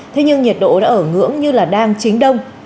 thế nhưng nhiệt độ đã ở ngưỡng như là đang chính đông